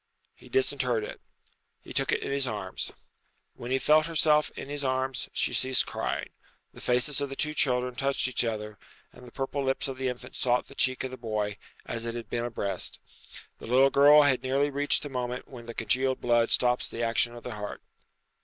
He disinterred it. He took it in his arms. When she felt herself in his arms she ceased crying. The faces of the two children touched each other, and the purple lips of the infant sought the cheek of the boy, as it had been a breast. The little girl had nearly reached the moment when the congealed blood stops the action of the heart.